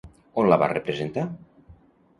On la va representar?